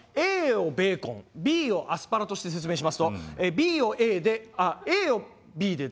ＡをベーコンＢをアスパラとして説明しますとＢをＡであっＡをＢで。